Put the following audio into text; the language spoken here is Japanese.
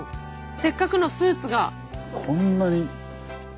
せっかくのスーツが。